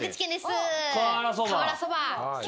瓦そば。